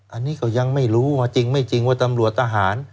อันนี้ก็ยังไม่รู้ว่าจริงไม่จริงว่าตำรวจทหาร